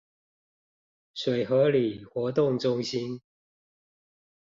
水河里活動中心